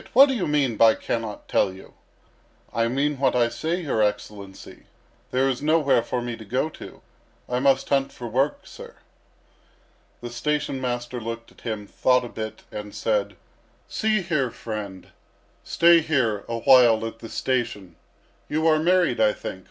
What do you mean by 'cannot tell you?'" "I mean what I say, your Excellency. There is nowhere for me to go to. I must hunt for work, sir." The station master looked at him, thought a bit, and said: "See here, friend, stay here a while at the station. You are married, I think.